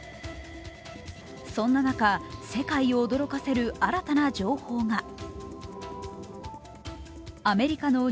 そんな中、世界を驚かせる新たな情報が。